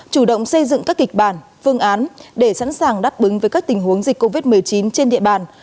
chủ động xây dựng các kịch bản phương án để sẵn sàng đáp ứng với các tình huống dịch covid một mươi chín trên địa bàn